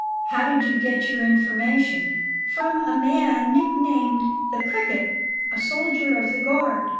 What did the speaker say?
"How did you get your information?" "From a man nicknamed 'The Cricket,' a soldier of the guard.